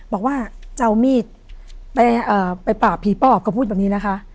บอกว่าจะเอามีดไปป่าผีปอบก็พูดแบบนี้นะคะ